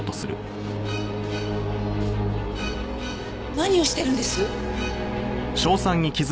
何をしてるんです？